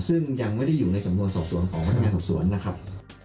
ซึ่งยังไม่ได้อยู่ในสำนวนสอบสวนของพนักงานสอบสวนนะครับ